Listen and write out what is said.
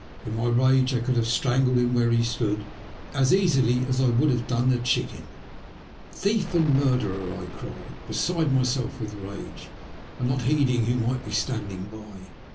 In my rage I could have strangled him where he stood, as easily as I would have done a chicken. " Thief and murderer," I cried, beside myself with rage and not heeding who might be standing by.